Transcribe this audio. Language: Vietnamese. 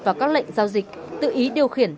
vào các lệnh giao dịch tự ý điều khiển